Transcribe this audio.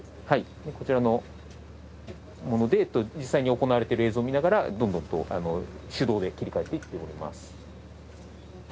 こちらのもので実際に行われている映像を見ながらどんどんと手動で切り替えていっております。